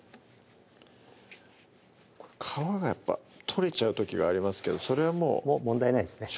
皮が取れちゃう時がありますけどそれはもう問題ないですね